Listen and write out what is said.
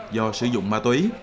do sử dụng ma túy